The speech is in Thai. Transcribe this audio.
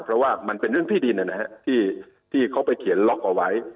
เพราะว่ามันเป็นเรื่องที่ดินที่เขาไปเขียนล็อกเอาไว้